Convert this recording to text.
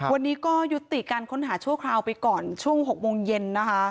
วันนี้ก็ยุติการค้นหาชั่วคราวไปก่อนช่วง๖โมงเย็นนะคะ